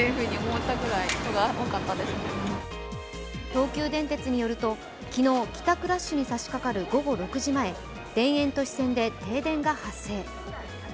東急電鉄によると昨日、帰宅ラッシュにさしかかる午後６時前、田園都市線で停電が発生。